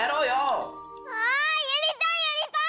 あやりたいやりたい！